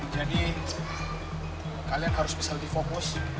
jadi kalian harus bisa lebih fokus